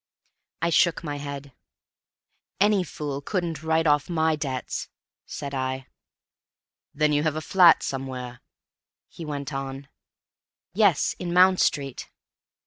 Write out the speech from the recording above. I shook my head. "Any fool couldn't write off my debts," said I. "Then you have a flat somewhere?" he went on. "Yes, in Mount Street."